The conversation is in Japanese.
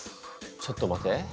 ちょっと待て。